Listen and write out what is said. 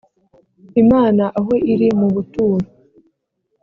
imana aho iri mu buturo